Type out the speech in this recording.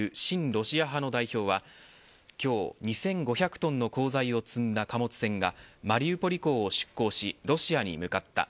ロシア派の代表は今日２５００トンの鋼材を積んだ貨物船がマリウポリ港を出港しロシアに向かった。